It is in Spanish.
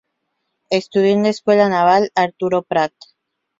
Estudió en la Escuela Naval Arturo Prat.